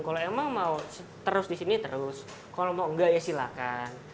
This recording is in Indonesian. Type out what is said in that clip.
kalau emang mau terus di sini terus kalau mau enggak ya silakan